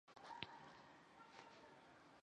康熙五十六年丁酉科顺天乡试解元。